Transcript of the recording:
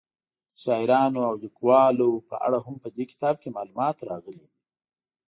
د شاعرانو او لیکوالو په اړه هم په دې کتاب کې معلومات راغلي دي.